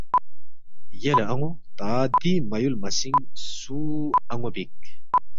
یلے ان٘و تا دی مہ یُول مَسِنگ سُو ان٘و بیک